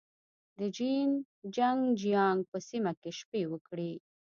د جين چنګ جيانګ په سیمه کې شپې وکړې.